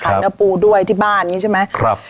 เนื้อปูด้วยที่บ้านอย่างนี้ใช่ไหม